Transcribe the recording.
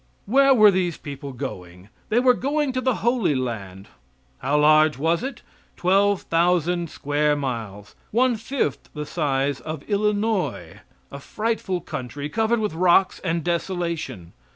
Where were these people going? They were going to the Holy Land. How large was it? Twelve thousand square miles one fifth the size of Illinois a frightful country, covered with rocks and desolation.